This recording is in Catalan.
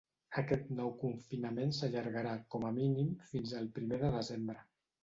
Aquest nou confinament s’allargarà, com a mínim, fins el primer de desembre.